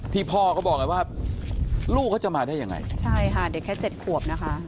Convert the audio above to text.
พ่อก็บอกไงว่าลูกเขาจะมาได้ยังไงใช่ค่ะเด็กแค่เจ็ดขวบนะคะ